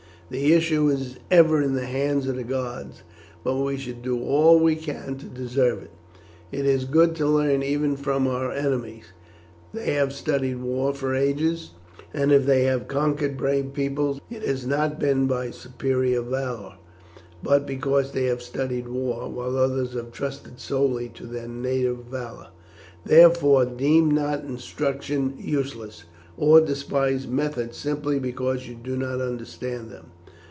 The issue is ever in the hands of the gods, but we should do all we can to deserve it. It is good to learn even from our enemies. They have studied war for ages, and if they have conquered brave peoples, it has not been by superior valour, but because they have studied war, while others have trusted solely to their native valour. Therefore deem not instruction useless, or despise methods simply because you do not understand them.